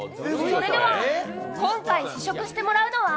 それでは、今回試食してもらのは